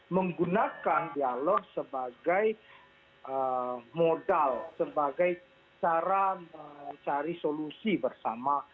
menggunakan dialog sebagai modal sebagai cara mencari solusi bersama